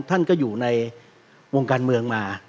ท่านก็อยู่ในวงการเมืองมา